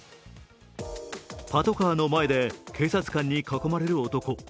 パトカーの前で警察官に囲まれる男。